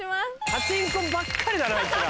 パチンコばっかりだなあいつら。